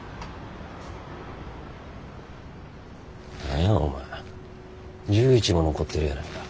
何やお前１１も残ってるやないか。